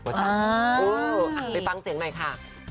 ไปฟังเสียงหน่อยค่ะ